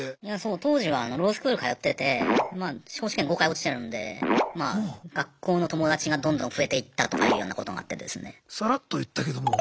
当時はロースクール通っててまあ司法試験５回落ちてるんで学校の友達がどんどん増えていったとかいうようなことがあってですね。